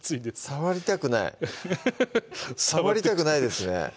触りたくないアハハハッ触りたくないですね